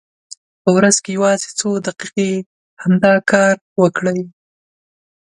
په ورځ کې یوازې څو دقیقې همدا کار وکړئ.